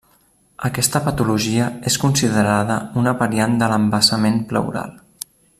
Aquesta patologia és considerada una variant de l'embassament pleural.